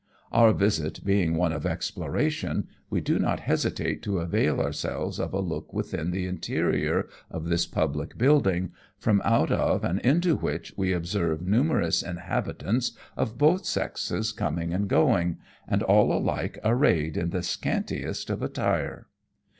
Our visit being one of exploration, we do not hesitate to avail ourselves of a look within the interior of this public building, from out of and into which we observe numerous inhabitants of both sexes coming and going, and all alike arrayed in the scantiest of attire.